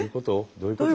どういうこと？